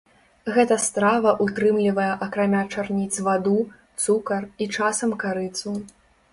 Гэта страва ўтрымлівае акрамя чарніц ваду, цукар і часам карыцу.